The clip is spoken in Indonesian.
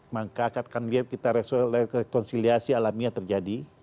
maka akan kita rekonsiliasi alamiah terjadi